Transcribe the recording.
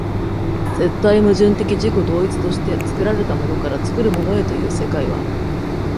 絶対矛盾的自己同一として作られたものから作るものへという世界は、